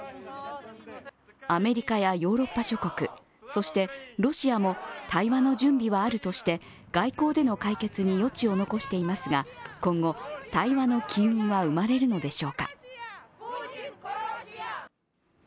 アメリカやヨーロッパ諸国、そしてロシアも対話の準備はあるとして外交での解決に余地を残していますが、今後、対話の機運は生まれるのでしょうか。